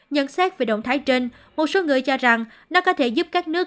nhận xét về động thái trên một số người cho rằng nó có thể giúp các nước